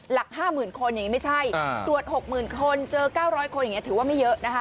หลักห้าหมื่นคนอย่างงี้ไม่ใช่อ่าตรวจหกหมื่นคนเจอเก้าร้อยคนอย่างงี้ถือว่าไม่เยอะนะฮะ